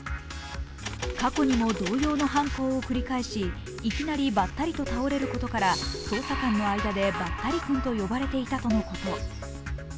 過去にも同様の犯行を繰り返し、いきなりばったりと倒れることから、捜査官の間で、ばったりくんと呼ばれていたとのと。